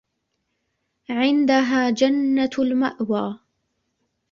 عندها جنة المأوى